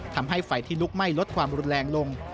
ทำให้ไฟที่ลุกไหม้ลดความรุนแรงลง